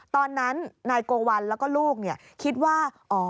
ตอนนั้นนายโกวัลแล้วก็ลูกคิดว่า